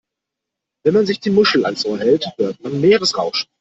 Wenn man sich die Muschel ans Ohr hält, hört man Meeresrauschen.